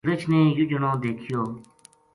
رچھ نے یوہ جنو دیکھیو